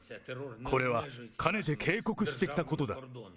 これはかねて警告してきたことだ。